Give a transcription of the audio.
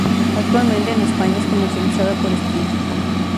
Actualmente en España es comercializada por Esteve.